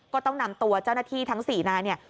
ก็ต้องนำตัวเจ้าหน้าที่ทั้ง๔นายเนี่ย